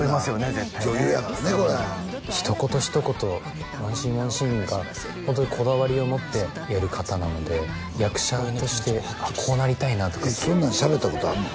絶対ね女優やからねこれ一言一言ワンシーンワンシーンがホントにこだわりを持ってやる方なので役者としてこうなりたいなとかそんなんしゃべったことあんの？